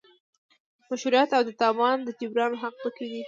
مشروعیت او د تاوان د جبران حق پکې دی.